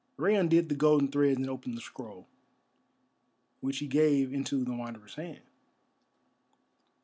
Rei undid the golden threads and opened the scroll, which he gave into the Wanderer's hand.